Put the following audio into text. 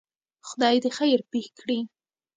خدای دی خیر پېښ کړي.